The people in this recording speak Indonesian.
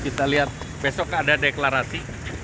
kita lihat besok ada deklarasi